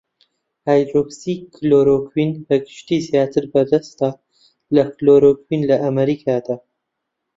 هایدرۆکسی کلۆرۆکوین بەگشتی زیاتر بەردەستە لە کلۆرۆکوین لە ئەمەریکادا.